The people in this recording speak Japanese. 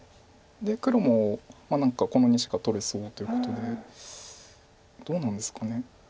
で黒も何かこの２子が取れそうということでどうなんですかね。